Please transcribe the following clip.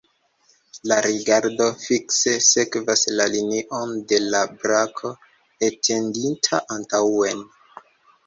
La rigardo fikse sekvas la linion de la brako etendita antaŭen.